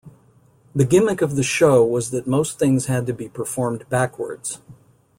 The gimmick of the show was that most things had to be performed backwards.